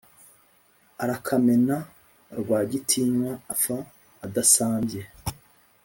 arakamena rwagitinywa apfa adasambye.